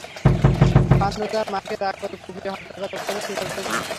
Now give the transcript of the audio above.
পান্নু তাঁর মাকে রাগ করে কুপিয়ে হত্যা করার কথা স্বীকার করেছেন।